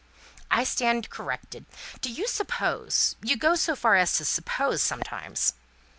"I stand corrected; do you suppose you go so far as to suppose, sometimes?"